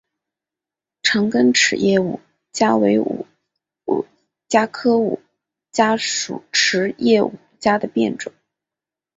长梗匙叶五加为五加科五加属匙叶五加的变种。